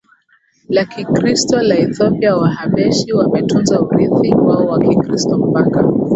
la Kikristo la Ethiopia Wahabeshi wametunza urithi wao wa Kikristo mpaka